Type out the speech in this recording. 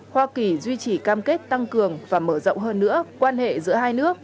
hoa kỳ duy trì cam kết tăng cường và mở rộng hơn nữa quan hệ giữa hai nước